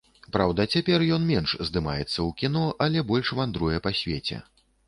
Праўда, цяпер ён менш здымаецца ў кіно, але больш вандруе па свеце.